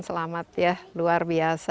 selamat ya luar biasa